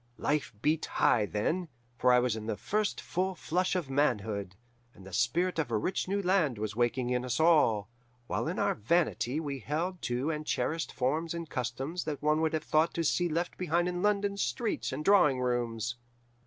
Life beat high then, for I was in the first flush of manhood, and the spirit of a rich new land was waking in us all, while in our vanity we held to and cherished forms and customs that one would have thought to see left behind in London streets and drawing rooms.